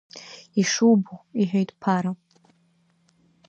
Ишубо, — иҳәеит Ԥара.